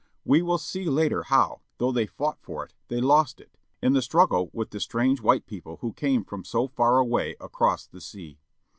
We will see later how, though they fought for it, they lost it, in the struggle with the strange white people who came from so far away, across the sea.